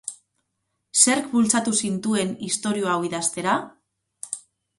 Zerk bultzatu zintuen istorio hau idaztera?